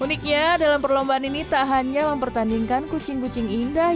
uniknya dalam perlombaan ini tak hanya mempertandingkan kucing kucing indah